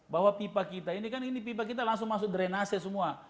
bahwa pipa kita ini kan ini pipa kita langsung masuk drenase semua